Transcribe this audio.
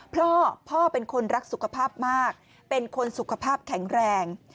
พ่อเป็นคนรักสุขภาพมากเป็นคนสุขภาพแข็งแรง